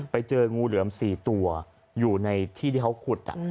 ไปเจองูเหลือม๔ตัวอยู่ในที่ที่เขาขุด